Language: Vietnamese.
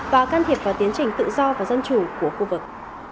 và can thiệp vào tiến trình tự do và dân chủ của khu vực